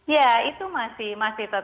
ya itu masih